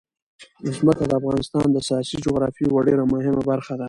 ځمکه د افغانستان د سیاسي جغرافیه یوه ډېره مهمه برخه ده.